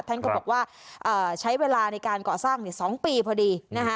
ท่านก็บอกว่าใช้เวลาในการก่อสร้าง๒ปีพอดี